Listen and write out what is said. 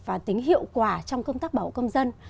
và tính hiệu quả trong công tác bảo hộ công dân